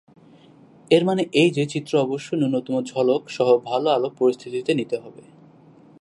এর মানে এই যে, চিত্র অবশ্যই নূন্যতম ঝলক সহ ভাল আলোক পরিস্থিতিতে নিতে হবে।